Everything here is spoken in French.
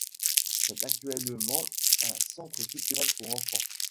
C’est actuellement un centre culturel pour enfants.